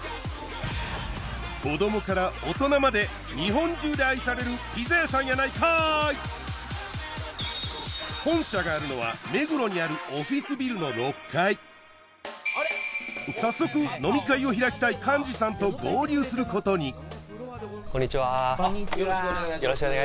子どもから大人まで日本中で愛されるピザ屋さんやないかい本社があるのは目黒にあるオフィスビルの６階早速飲み会を開きたいすることにこんにちはよろしくお願いします